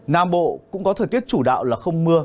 nam bộ cũng có thời tiết chủ đạo là không mưa